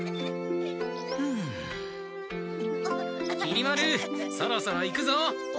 きり丸そろそろ行くぞ！